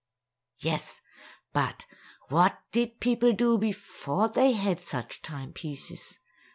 Yes; but what did people do before they had such timepieces?